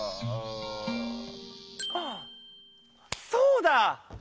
あっそうだ！